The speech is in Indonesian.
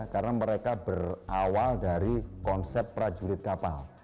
karena mereka berawal dari konsep prajurit kapal